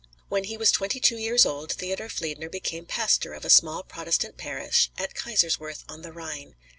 When he was twenty two years old Theodore Fliedner became pastor of a small Protestant parish at Kaiserswerth on the Rhine.